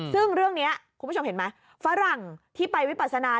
ซึ่งเรื่องนี้คุณผู้ชมเห็นไหมฝรั่งที่ไปวิปัสนา